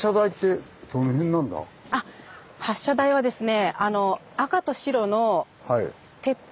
発射台はですね